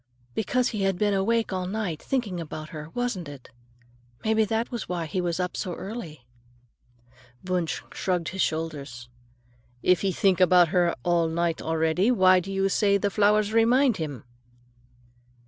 "Because he had been awake all night, thinking about her, wasn't it? Maybe that was why he was up so early." Wunsch shrugged his shoulders. "If he think about her all night already, why do you say the flowers remind him?"